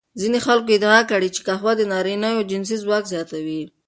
ځینو خلکو ادعا کړې چې قهوه د نارینوو جنسي ځواک زیاتوي.